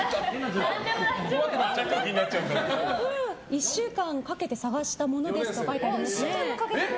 １週間かけて探したものですって書いてありますね。